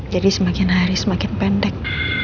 jadi semakin hari semakin pendek